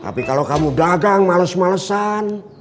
tapi kalau kamu dagang males malesan